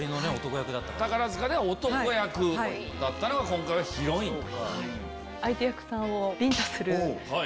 宝塚では男役だったのが今回はヒロイン。